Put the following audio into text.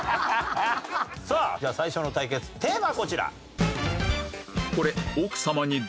さあでは最初の対決テーマはこちら。